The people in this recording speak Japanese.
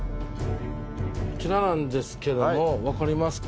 こちらなんですけども分かりますか？